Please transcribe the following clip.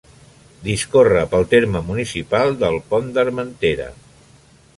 Discorre pel terme municipal del Pont d'Armentera.